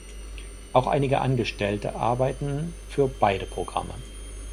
Auch einige Angestellte arbeiten für beide Programme.